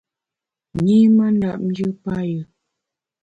Nyi mandap njù payù.